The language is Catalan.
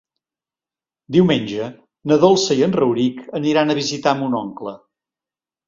Diumenge na Dolça i en Rauric aniran a visitar mon oncle.